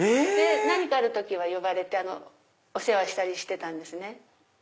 何かある時は呼ばれてお世話したりしてたんですね。